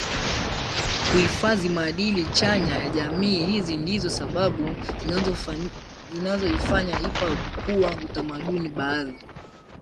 kuhifadhi maadili chanya ya jamii Hizi ndizo sababu zinazoifanya hip hop kuwa utamaduni Baadhi